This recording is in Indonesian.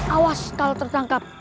awas kalau tertangkap